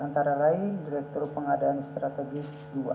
antara lain direktur pengadaan strategis dua